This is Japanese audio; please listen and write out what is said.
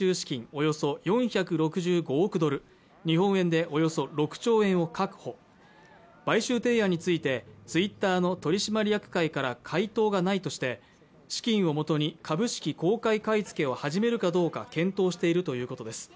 およそ４６５億ドル日本円でおよそ６兆円を確保買収提案についてツイッターの取締役会から回答がないとして資金をもとに株式公開買い付けを始めるかどうか検討しているということです